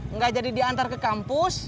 nggak jadi diantar ke kampus